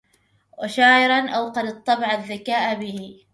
وشاعر أوقد الطبع الذكاء به